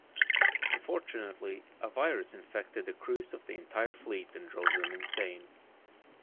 Unfortunately, a virus infected the crews of the entire fleet and drove them insane.